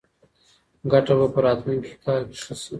ګټه به په راتلونکي کال کې ښه شي.